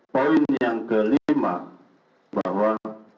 poin yang kelima bahwa